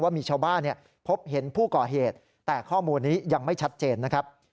มีชาวบ้านพบเห็นผู้ก่อเหตุแต่ข้อมูลนี้ยังไม่ชัดเจนนะครับ